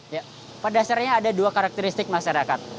ya pada dasarnya ada dua karakteristik masyarakat